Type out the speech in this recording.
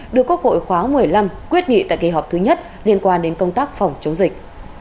đưa quốc hội khóa một mươi năm quyết nghị tại kỳ họp thứ nhất liên quan đến công tác phòng chống dịch